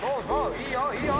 いいよいいよ！